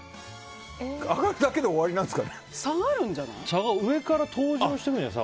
上がるだけで終わりなんですかね。